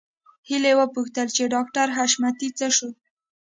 هيلې وپوښتل چې ډاکټر حشمتي څه شو